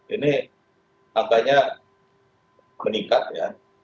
ini angkanya meningkat ya